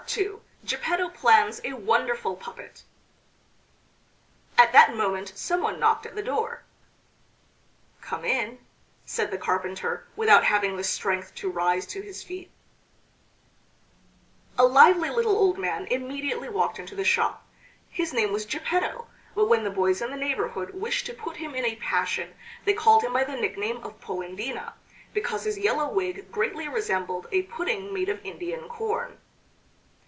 II GEPPETTO PLANS A WONDERFUL PUPPET At that moment some one knocked at the door. "Come in," said the carpenter, without having the strength to rise to his feet. A lively little old man immediately walked into the shop. His name was Geppetto, but when the boys in the neighborhood wished to put him in a passion they called him by the nickname of Polendina, because his yellow wig greatly resembled a pudding made of Indian corn.